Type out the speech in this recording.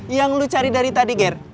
yang lu cari dari tadi ger